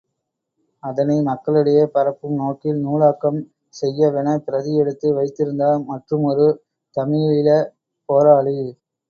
அதனை மக்களிடையே பரப்பும் நோக்கில் நூலாக்கம் செய்யவென, பிரதி எடுத்து வைத்திருந்தார் மற்றுமொரு தமிழிழப் போராளி.